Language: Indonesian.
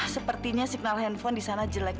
sepertinya signal handphone di sana jelek